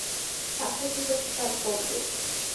তাকে তিরস্কার করবে?